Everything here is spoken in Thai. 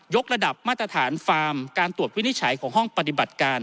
กระดับมาตรฐานฟาร์มการตรวจวินิจฉัยของห้องปฏิบัติการ